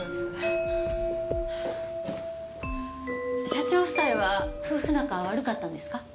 社長夫妻は夫婦仲悪かったんですか？